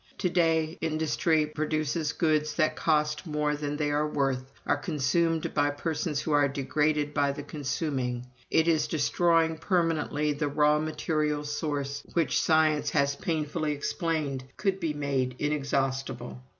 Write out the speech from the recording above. To day industry produces goods that cost more than they are worth, are consumed by persons who are degraded by the consuming; it is destroying permanently the raw material source which, science has painfully explained, could be made inexhaustible.